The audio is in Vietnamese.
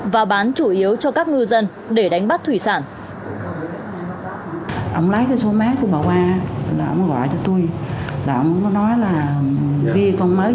và bán chủ yếu cho các ngư dân để đánh bắt thủy sản